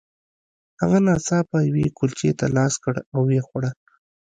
هغه ناڅاپه یوې کلچې ته لاس کړ او ویې خوړه